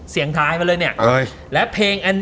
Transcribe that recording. เสียงท้ายมาเลยเนี่ยแล้วเพลง